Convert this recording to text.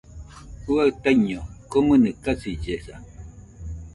Juaɨ taiño komɨnɨ kasillesa.